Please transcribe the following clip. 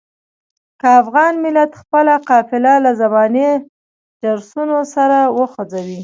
که افغان ملت خپله قافله له زماني جرسونو سره وخوځوي.